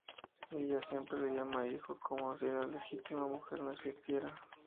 Ella siempre le llama "hijo", como si la legítima mujer no existiera.